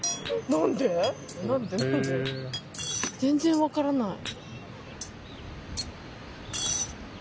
全然分からない。